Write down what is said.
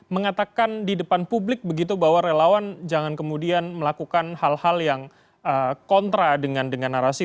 mengatakan di depan publik begitu bahwa relawan jangan kemudian melakukan hal hal yang kontra dengan narasi